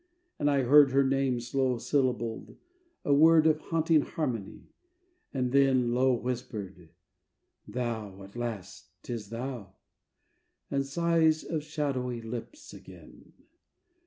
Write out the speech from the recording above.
And I heard Her name slow syllabled a word Of haunting harmony and then Low whispered, "Thou! at last, 'tis thou!" And sighs of shadowy lips again.